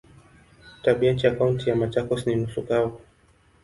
Tabianchi ya Kaunti ya Machakos ni nusu kavu.